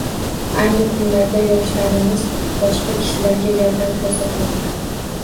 Ayni kunlarda yoshlarimiz boshqa kishilarga yordam koʻrsatmoqda